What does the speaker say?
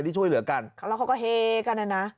ที่ช่วยเหลือกันแล้วเขาก็เฮกันนะนะ